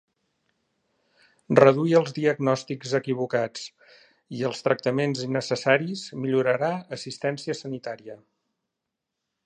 Reduir els diagnòstics equivocats i els tractaments innecessaris millorarà assistència sanitària.